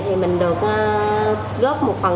thì mình được góp một phần